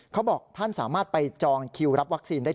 เขาบอกท่านสามารถไปจองคิวรับวัคซีนได้